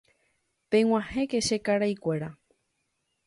peg̃uahẽke che karaikuéra